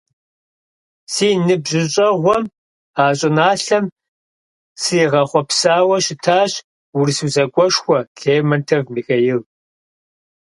Си ныбжьыщӀэгъуэм а щӀыналъэм сригъэхъуэпсауэ щытащ урыс усакӀуэшхуэ Лермонтов Михаил.